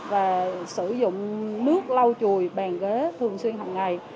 và sử dụng nước lau chùi bàn ghế thường xuyên hằng ngày